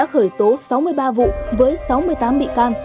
khởi tố sáu mươi ba vụ với sáu mươi tám bị can